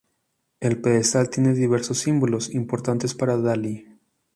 El pedestal tiene diversos símbolos importantes para Dalí.